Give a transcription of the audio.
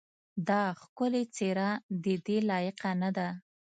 دا ښکلې څېره ددې لایقه نه ده.